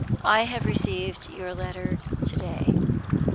I have only received your letter to day.